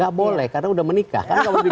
gak boleh karena udah menikah